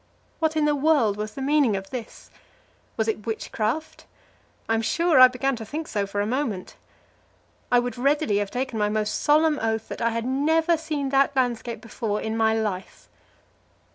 What in the world was the meaning of this? Was it witchcraft? I am sure I began to think so for a moment. I would readily have taken my most solemn oath that I had never seen that landscape before in my life.